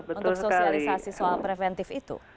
untuk sosialisasi soal preventif itu